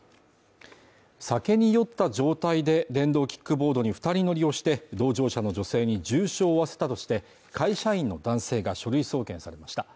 酒に酔った状態で電動キックボードに２人乗りをして、同乗者の女性に重傷を負わせたとして会社員の男性が書類送検されました。